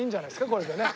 これでね。